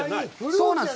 そうなんです。